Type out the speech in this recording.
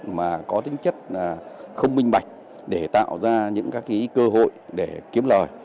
mà có tính chất không minh bạch để tạo ra những các cơ hội để kiếm lời